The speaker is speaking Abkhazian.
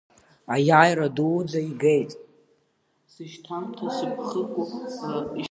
Аиааира дуӡӡа игеит.